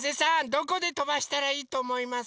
どこでとばしたらいいとおもいますか？